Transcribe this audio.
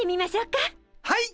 はい！